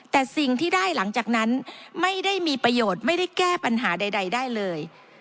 แต่สิ่งที่ได้หลังจากนั้นไม่ได้มีประโยชน์ไม่ได้แก้ปัญหาใดได้เลย